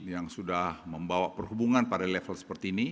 yang sudah membawa perhubungan pada level seperti ini